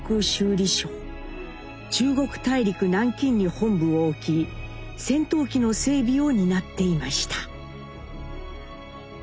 中国大陸南京に本部を置き戦闘機の整備を担っていました。